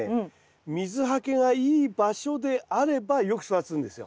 水はけがいい場所であればよく育つんですよ。